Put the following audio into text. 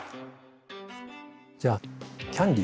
じゃあキャンディー。